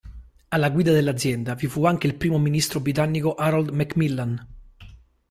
Alla guida dell'azienda vi fu anche il primo ministro britannico Harold Macmillan.